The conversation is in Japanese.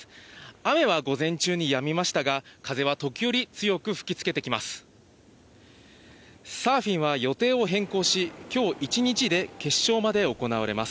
雨は午前中にやみましたが、風は時折強く吹き付けてきます。